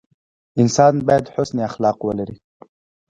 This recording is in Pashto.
انسان باید حسن اخلاق ولري.